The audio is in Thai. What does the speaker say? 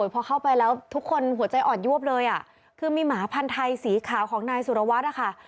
พอเข้าไปแล้วทุกคนหัวใจอ่อนยวบเลยอ่ะคือมีหมาพันธ์ไทยสีขาวของนายสุรวัตรนะคะ